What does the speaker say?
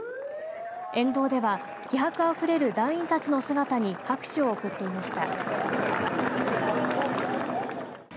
沿道では気迫あふれる団員たちの姿に拍手を送っていました。